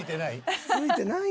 付いてない？